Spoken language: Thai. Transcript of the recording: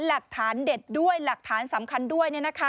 หลักฐานเด็ดด้วยหลักฐานสำคัญด้วย